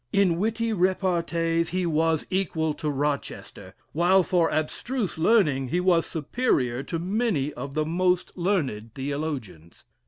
In witty repartees he was equal to Rochester; while for abstruse learning he was superior to many of the most learned theologians.